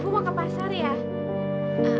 gue mau ke pasar ya